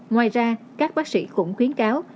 ngoài ra các bác sĩ cũng khuyến cáo